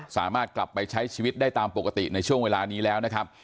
สามารถกลับไปใช้ชีวิตได้ตามปกติในช่วงเวลานี้แล้วนะครับ